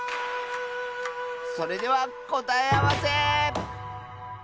それではこたえあわせ！